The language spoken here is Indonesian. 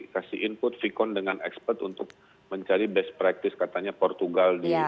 kasih input vkon dengan expert untuk mencari best practice katanya portugal di